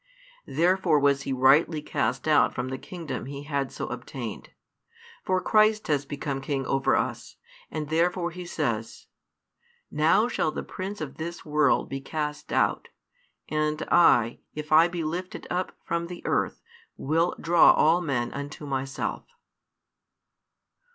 Therefore was he rightly cast out from the kingdom he had so obtained. For Christ has become King over us, and therefore He says: Now shall the prince of this world be east out; and I, if I be lifted up from the earth, will draw all men unto Myself.